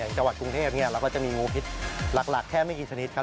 จังหวัดกรุงเทพเราก็จะมีงูพิษหลักแค่ไม่กี่ชนิดครับ